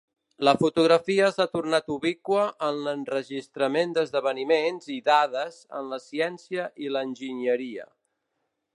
La fotografia s'ha tornat ubiqua en l'enregistrament d'esdeveniments i dades en la ciència i l'enginyeria.